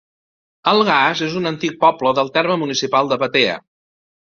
Algars és un antic poble del terme municipal de Batea.